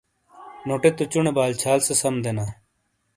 نوٹے تو چُنے بال چھال سے سَم دینا۔